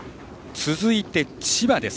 続いて千葉です。